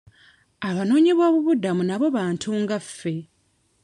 Abanoonyibobubudamu nabo bantu nga ffe.